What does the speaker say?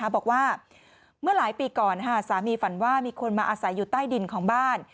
บอกว่าเมื่อหลายปีก่อนสามีฝันว่ามีคนมาอาศัยอยู่ใต้ดินของบ้าน